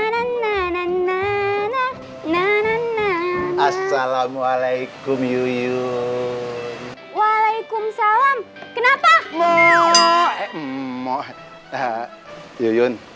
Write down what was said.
nana nana nana nana nana nana assalamualaikum yuyun waalaikumsalam kenapa